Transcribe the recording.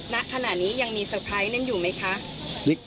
ณขณะนี้ยังมีเซอร์ไพรส์นั่นอยู่ไหมคะ